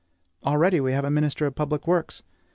Already we have a minister of public works.